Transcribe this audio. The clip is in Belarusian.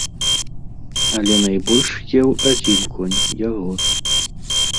Але найбольш еў адзін конь, яго.